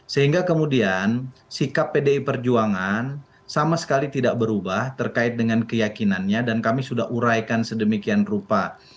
sehingga kemudian sikap pdi perjuangan sama sekali tidak berubah terkait dengan keyakinannya dan kami sudah uraikan sedemikian rupa